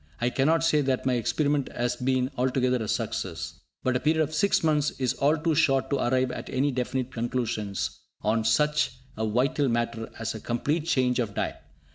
I cannot say that my experiment has been altogether a success, but a period of six months is all too short to arrive at any definite conclusions on such a vital matter as a complete change of diet.